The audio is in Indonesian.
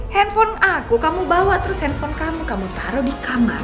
handphone aku kamu bawa terus handphone kamu kamu taruh di kamar